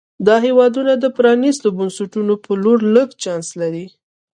دا هېوادونه د پرانیستو بنسټونو په لور لږ چانس لري.